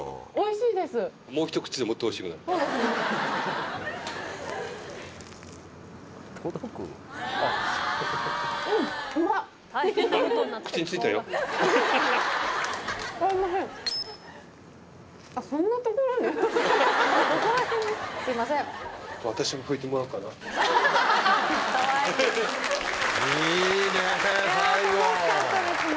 いや楽しかったですね。